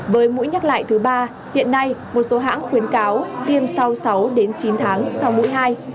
với mũi nhắc lại thứ ba hiện nay một số hãng khuyến cáo tiêm sau sáu đến chín tháng sau mũi hai